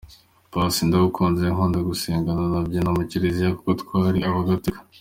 Paccy : Nakuze nkunda gusenga nanabyina mu kiliziya kuko twari Abagatulika.